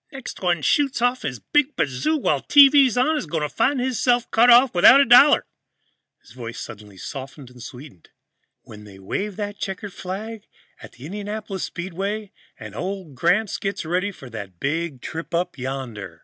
"Next one shoots off his big bazoo while the TV's on is gonna find hisself cut off without a dollar " his voice suddenly softened and sweetened "when they wave that checkered flag at the Indianapolis Speedway, and old Gramps gets ready for the Big Trip Up Yonder."